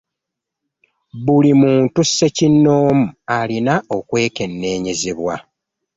Buli muntu ssekinnoomu alina okwekenneenyezebwa.